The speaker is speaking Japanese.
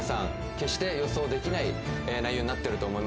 決して予想できない内容になってると思います